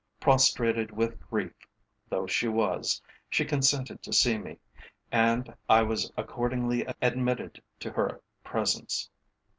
Prostrated with grief though she was, she consented to see me, and I was accordingly admitted to her presence.